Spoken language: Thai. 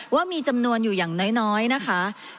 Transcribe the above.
ว่ามีจำนวนอยู่อย่างน้อยนะคะ